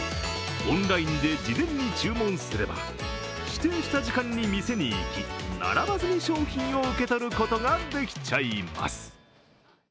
オンラインで事前に注文すれば指定した時間に店に行き並ばずに商品を受け取ることができちゃいます。